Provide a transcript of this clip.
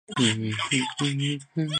市内大多数地区都是乡村风光。